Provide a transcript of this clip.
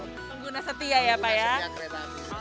pengguna setia ya pak ya